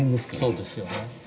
そうですよね。